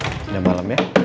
udah malam ya